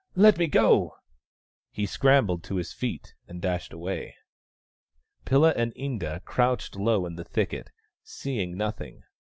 " Let me go !" He scrambled to his feet and dashed away. Pilla and Inda crouched low in the thicket, seeing nothing.